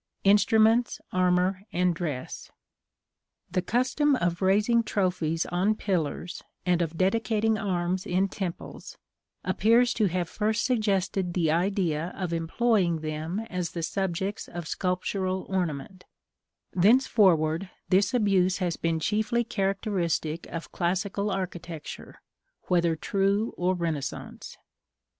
Instruments, armor, and dress. The custom of raising trophies on pillars, and of dedicating arms in temples, appears to have first suggested the idea of employing them as the subjects of sculptural ornament: thenceforward, this abuse has been chiefly characteristic of classical architecture, whether true or Renaissance.